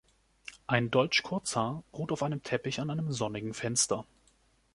Ein Deutsch Kurzhaar ruht auf einem Teppich an einem sonnigen Fenster.